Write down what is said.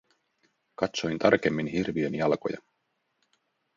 Katsoin tarkemmin hirviön jalkoja.